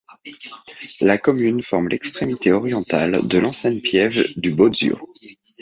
La commune forme l'extrémité orientale de l'ancienne pieve du Bozio.